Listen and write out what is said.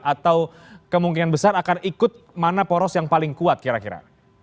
atau kemungkinan besar akan ikut mana poros yang paling kuat kira kira